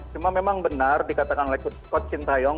cuma memang benar dikatakan oleh coach sintayong